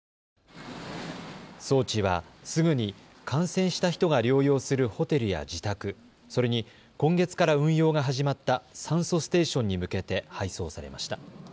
装置はすぐに感染した人が療養するホテルや自宅、それに今月から運用が始まった酸素ステーションに向けて配送されました。